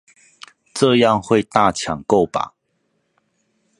這樣會大搶購吧